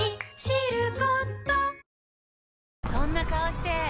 そんな顔して！